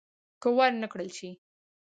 که ور نه کړل شي.